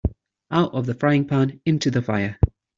Out of the frying pan into the fire.